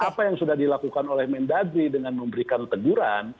dan apa yang sudah dilakukan oleh mendagri dengan memberikan teguran